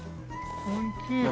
おいしい！